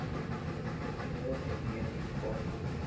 Es un sulfuro de hierro y cobre.